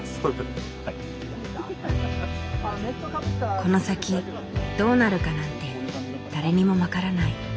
この先どうなるかなんて誰にも分からない。